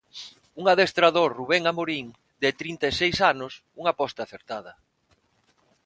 Un adestrador Rubén Amorím, de trinta e seis anos, unha aposta acertada.